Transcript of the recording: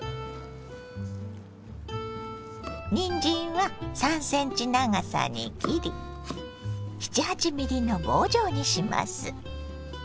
にんじんは３ｃｍ長さに切り７８ｍｍの棒状にします。